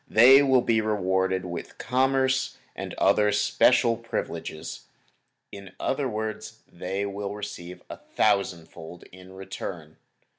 They will be rewarded with commerce and other special privileges. In other words they will receive a thousand fold in return.